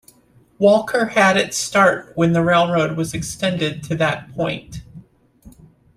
Walker had its start when the railroad was extended to that point.